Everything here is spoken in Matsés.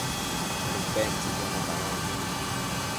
Umbentsëcquio natanombi